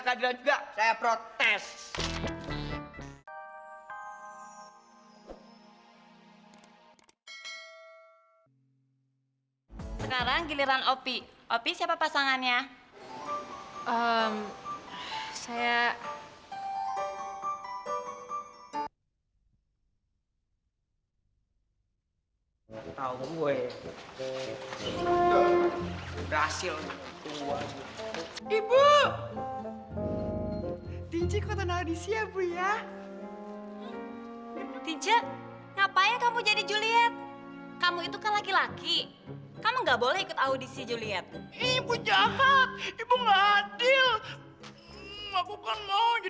kayaknya jadi pasangan yang serasi sekali